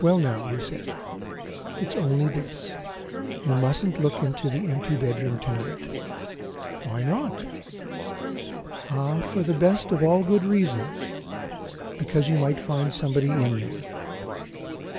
"Well, now," he said, "it's only this you mustn't look into the empty bedroom to night." "Why not?" "Ah, for the best of all good reasons! Because you might find somebody in there."